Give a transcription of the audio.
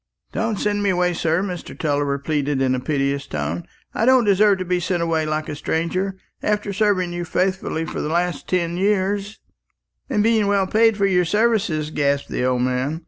"Don't send me away, sir," Mr. Tulliver pleaded in a piteous tone. "I don't deserve to be sent away like a stranger, after serving you faithfully for the last ten years " "And being well paid for your services," gasped the old man.